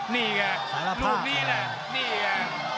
นี่แหลมลูกนี้แหลมนี่แหลม